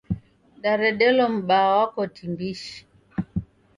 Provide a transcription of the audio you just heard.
Daredelo m'baa wa koti m'wishi.